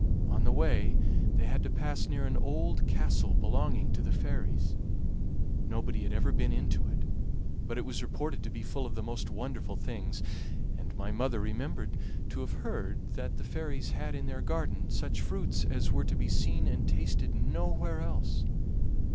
On the way they had to pass near an old castle belonging to the fairies. Nobody had ever been into it, but it was reported to be full of the most wonderful things, and my mother remembered to have heard that the fairies had in their garden such fruits as were to be seen and tasted nowhere else.